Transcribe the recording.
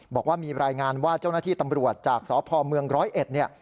บอกว่ามีรายงานว่าเจ้าหน้าที่ตำรวจจากสพมร๑